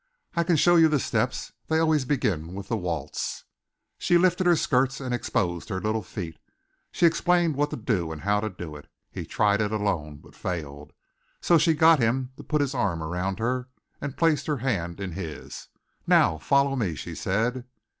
"I can show you the steps. They always begin with the waltz." She lifted her skirts and exposed her little feet. She explained what to do and how to do it. He tried it alone, but failed; so she got him to put his arm around her and placed her hand in his. "Now, follow me," she said.